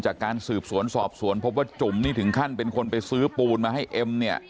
จากการสืบสวนสอบสวนพบว่าจุ่มนี่ถึงขั้นเป็นคนไปซื้อปูนมาให้เอ็มเนี่ย